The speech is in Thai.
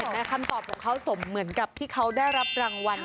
แต่คำตอบของเขาสมเหมือนกับที่เขาได้รับรางวัล